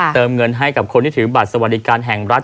เติมเงินให้กับคนที่ถือบัตรสวัสดิการแห่งรัฐ